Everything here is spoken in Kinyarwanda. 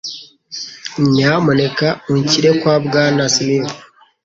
Nyamuneka unshyire kwa Bwana Smith.